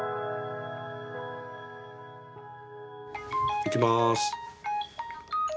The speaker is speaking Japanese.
いきます。